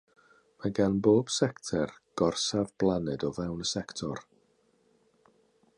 Mae gan bob sector gorsaf blaned o fewn y sector.